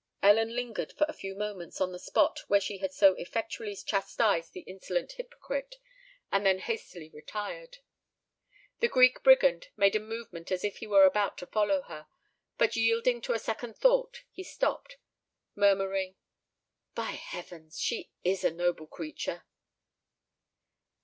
Ellen lingered for a few moments on the spot where she had so effectually chastised the insolent hypocrite; and then hastily retired. The Greek Brigand made a movement as if he were about to follow her; but, yielding to a second thought, he stopped, murmuring, "By heavens! she is a noble creature!"